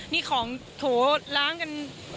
นี่ของโถล้างกัน